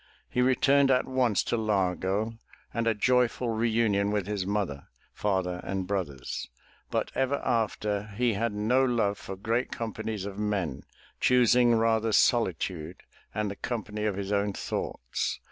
He returned at once to Largo and a joyful reunion with his mother, father and brothers. But ever after he had no love for great companies of men, choosing rather solitude and the company of his own thoughts.